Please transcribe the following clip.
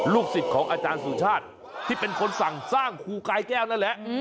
สิทธิ์ของอาจารย์สุชาติที่เป็นคนสั่งสร้างครูกายแก้วนั่นแหละ